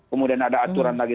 kemudian ada aturan lagi